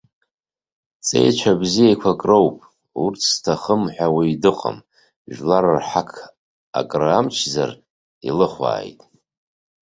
Ҵеицәа бзиақәак роуп, урҭ зҭахым ҳәа уаҩ дыҟам, жәлар рҳақ акры амчзар илыхәааит.